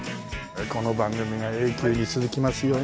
この番組が永久に続きますように。